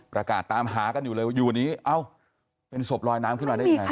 ประกาศตามหากันอยู่เลยว่าอยู่นี้เอ้าเป็นศพลอยน้ำขึ้นมาได้ยังไง